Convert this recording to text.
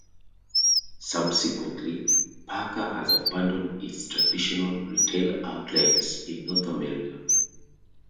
Subsequently Parker has abandoned its traditional retail outlets in North America.